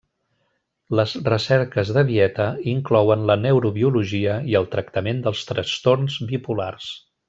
Les recerques de Vieta inclouen la neurobiologia i el tractament dels trastorns bipolars.